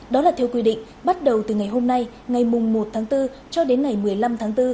đó là theo quy định bắt đầu từ ngày hôm nay ngày một tháng bốn cho đến ngày một mươi năm tháng bốn